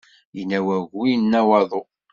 Yenna wagu, yenna waḍu.